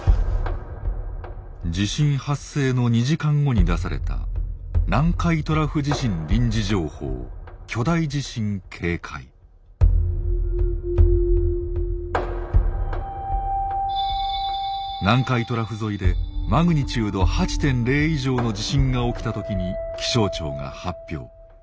地震発生の２時間後に出された南海トラフ沿いでＭ８．０以上の地震が起きた時に気象庁が発表。